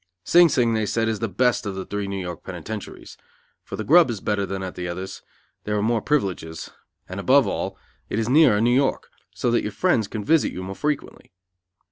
Sing Sing, they said, is the best of the three New York penitentiaries: for the grub is better than at the others, there are more privileges, and, above all, it is nearer New York, so that your friends can visit you more frequently.